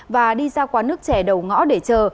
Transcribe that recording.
và đi ra quán nước trẻ đầu ngõ để chờ